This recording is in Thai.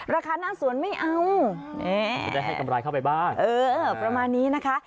ราคาหน้าสวนไม่เอาจะได้ให้กำไรเข้าไปบ้านเออประมาณนี้นะคะ